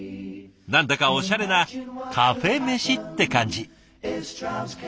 何だかおしゃれなカフェメシって感じ。